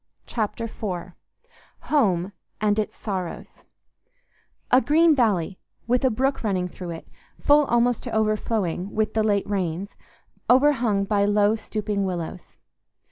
Chapter IV Home and Its Sorrows A green valley with a brook running through it, full almost to overflowing with the late rains, overhung by low stooping willows.